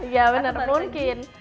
ya bener mungkin